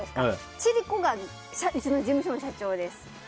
千里子がうちの事務所の社長です。